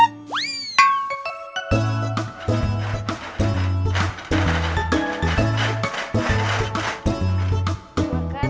ini enak pake